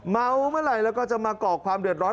เมาเมื่อไหร่แล้วก็จะมาก่อความเดือดร้อน